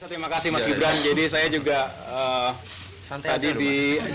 terima kasih mas gibran jadi saya juga tadi di